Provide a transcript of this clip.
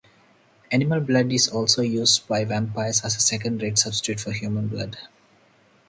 Animal blood is also used by vampires as a second-rate substitute for human blood.